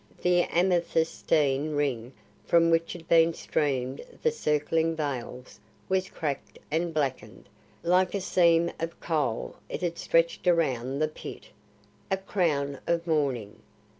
The amethystine ring from which had been streamed the circling veils was cracked and blackened; like a seam of coal it had stretched around the Pit a crown of mourning.